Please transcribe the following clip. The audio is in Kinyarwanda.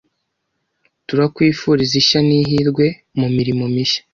turakwifuriza ishya n’ihirwe mu mirimo mishya,